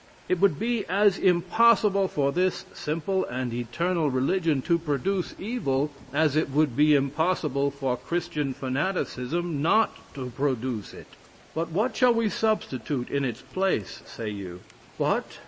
It would be as impossible for this simple and eternal religion to produce evil, as it would be impossible for Christian fanaticism not to produce it.... But what shall we substitute in its place? say you. What?